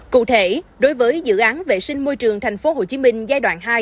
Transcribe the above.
cụ thể đối với dự án vệ sinh môi trường tp hcm giai đoạn hai